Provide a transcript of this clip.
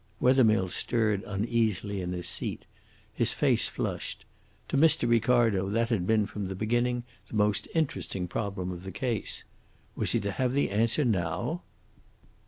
Wethermill stirred uneasily in his seat. His face flushed. To Mr. Ricardo that had been from the beginning the most interesting problem of the case. Was he to have the answer now?